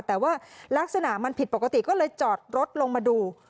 แต่ว่าลักษณะมันผิดปกติก็เลยจอดรถลงมาดู